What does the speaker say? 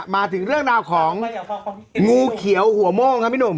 มาถึงเรื่องราวของงูเขียวหัวโม่งครับพี่หนุ่ม